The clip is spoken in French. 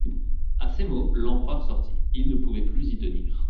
À ces mots l'empereur sortit : il ne pouvait plus y tenir.